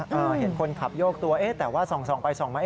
เห็นคนขับโยกตัวเอ๊ะแต่ว่าส่องไปส่องมา